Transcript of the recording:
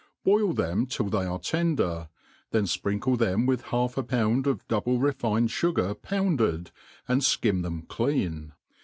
Boil them till they are tender, then fprinkle them with half a pound of double refined fugar pounded, and (kiot them clean.